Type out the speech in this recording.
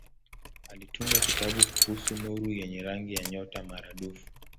Alitunga kitabu kuhusu nuru yenye rangi ya nyota maradufu.